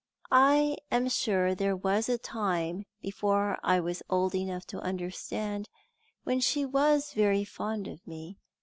I am sure there was a time, before I was old enough to understand, when she was very fond of me.